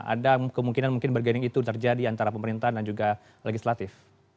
ada kemungkinan mungkin bergaining itu terjadi antara pemerintahan dan juga legislatif